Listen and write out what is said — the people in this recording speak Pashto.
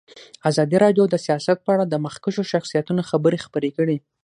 ازادي راډیو د سیاست په اړه د مخکښو شخصیتونو خبرې خپرې کړي.